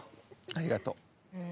ありがとう。